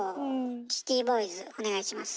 シティボーイズお願いします。